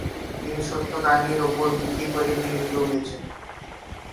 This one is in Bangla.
এটি সত্য কাহিনীর উপর ভিত্তি করে নির্মীত হয়েছে।